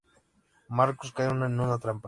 Marcus cae en una trampa.